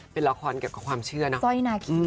เป็นละครกับความสุขค่ะ